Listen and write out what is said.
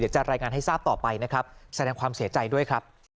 จะรายงานให้ทราบต่อไปนะครับแสดงความเสียใจด้วยครับ